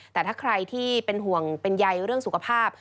แต่ถ้าใครที่เป็นห่วงเป็นใยเรื่องสุขภาพ